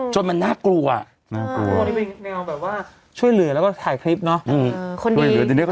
จนมันน่ากลัวนี่เป็นแนวแบบว่าช่วยเหลือแล้วก็ถ่ายคลิปเนาะ